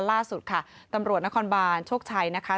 ล่าสุดค่ะตำรวจนครบานโชคชัยนะคะ